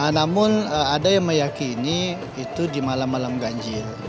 namun ada yang meyakini itu di malam malam ganjil